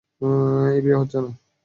এই বিয়ে হচ্ছে না।